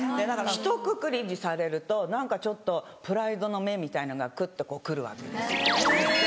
だからひとくくりにされると何かちょっとプライドの面みたいなのがクッと来るわけですよ。